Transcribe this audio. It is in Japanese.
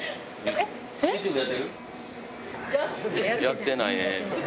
やってないね。